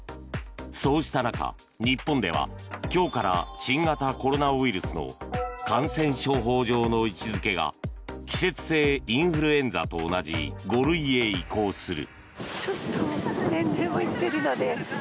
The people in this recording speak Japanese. そうした中、日本では今日から新型コロナウイルスの感染症法上の位置付けが季節性インフルエンザと同じ５類へ移行する。